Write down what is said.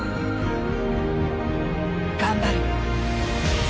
頑張る。